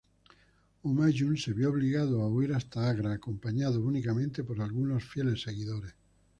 Humayun se vio obligado a huir hasta Agra acompañado únicamente por algunos fieles seguidores.